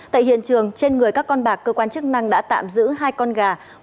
tại hiện trường trên người các con bạc cơ quan chức năng đã tạm giữ hai con gà